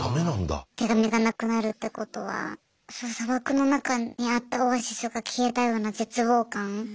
手紙がなくなるってことは砂漠の中にあったオアシスが消えたような絶望感。